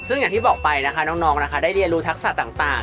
ซึ่งอย่างที่บอกไปนะคะน้องนะคะได้เรียนรู้ทักษะต่าง